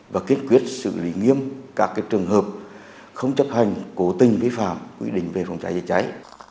và kết quyết xử lý nghiêm các trường hợp không chấp hành cố tình vi phạm quy định về phòng cháy chữa cháy